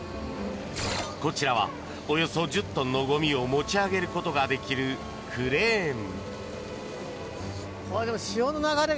こちらはおよそ１０トンのゴミを持ち上げることができるクレーン。